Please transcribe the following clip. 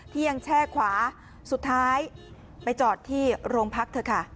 ที่ยังแช่ขวาสุดท้ายไปจอดที่โรงพักเถอะค่ะ